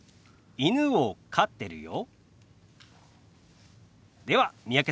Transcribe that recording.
犬を飼ってるよ。